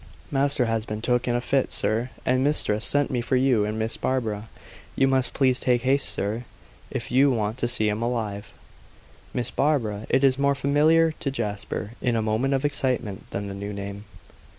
"Master has been took in a fit, sir, and mistress sent me for you and Miss Barbara. You must please make haste, sir, if you want to see him alive." Miss Barbara! It was more familiar to Jasper, in a moment of excitement, than the new name.